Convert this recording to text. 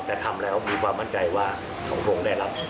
แต่ทำแล้วมีความมั่นใจว่าของพระองค์ได้รับ